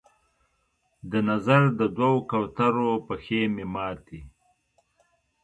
د نظر د دوو کوترو پښې مې ماتي